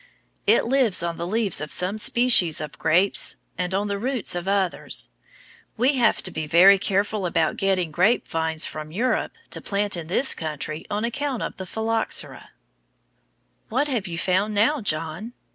It lives on the leaves of some species of grapes and on the roots of others. We have to be very careful about getting grape vines from Europe to plant in this country on account of the phylloxera. What have you found now, John?